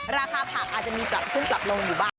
ราคาผักอาจจะมีปรับขึ้นปรับลงอยู่บ้าง